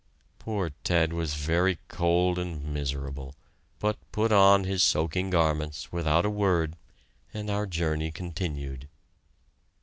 Poor Ted was very cold and miserable, but put on his soaking garments, without a word, and our journey continued.